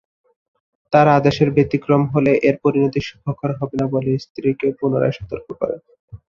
তার আদেশের ব্যতিক্রম হলে এর পরিণতি সুখকর হবেনা বলে স্ত্রীকে পুনরায় সতর্ক করেন।